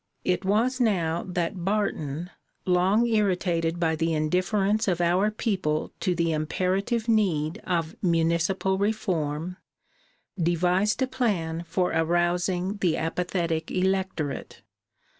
It was now that Barton, long irritated by the indifference of our people to the imperative need of municipal reform, devised a plan for arousing the apathetic electorate.